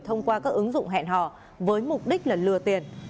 thông qua các ứng dụng hẹn hò với mục đích là lừa tiền